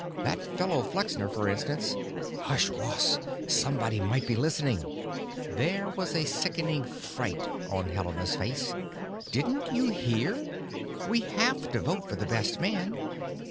"That fellow Flexner, for instance——" "Hush, Ross! Somebody might be listening." There was sickening fright on Helena's face. "Didn't you hear? We have to vote for the best man.